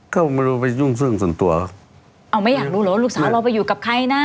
ก็ไม่รู้ไปยุ่งเรื่องส่วนตัวเอาไม่อยากรู้เหรอว่าลูกสาวเราไปอยู่กับใครนะ